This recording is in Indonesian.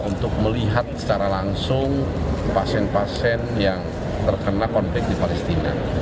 untuk melihat secara langsung pasien pasien yang terkena konflik di palestina